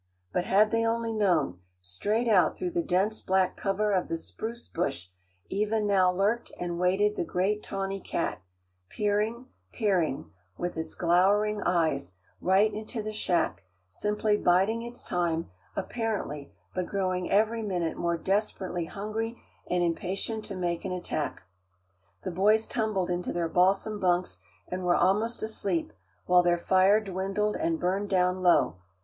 But had they only known straight out through the dense black cover of the spruce bush even now lurked and waited the great tawny cat, peering, peering, with its glowering eyes, right into the shack, simply biding its time, apparently, but growing every minute more desperately hungry and impatient to make an attack. The boys tumbled into their balsam bunks and were almost asleep, while their fire dwindled and burned down low.